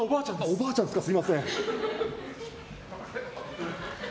おばあちゃんですかすみません。